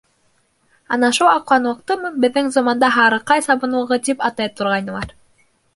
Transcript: Ана шул аҡланлыҡтымы беҙҙең заманда «Һарыҡай сабынлығы» тип атай торғайнылар.